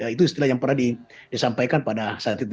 itu istilah yang pernah disampaikan pada saat itu